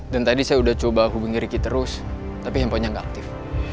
dan tadi saya udah coba hubungi riki terus tapi handphonenya enggak aktif